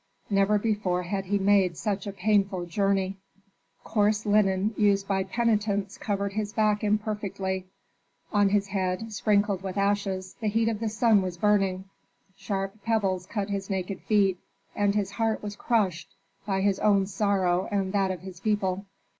Never before had he made such a painful journey. Coarse linen used by penitents covered his back imperfectly; on his head, sprinkled with ashes, the heat of the sun was burning; sharp pebbles cut his naked feet, and his heart was crushed by his own sorrow and that of his people.